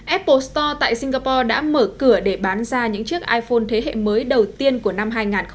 apple store tại singapore đã mở cửa để bán ra những chiếc iphone thế hệ mới đầu tiên của năm hai nghìn hai mươi